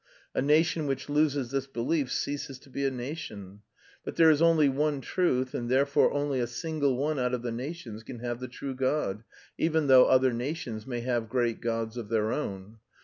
A nation which loses this belief ceases to be a nation. But there is only one truth, and therefore only a single one out of the nations can have the true God, even though other nations may have great gods of their own.